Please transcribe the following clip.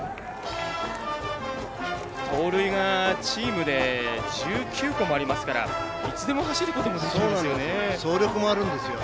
盗塁がチームで１９個もありますからいつでも走ることができるんですよね。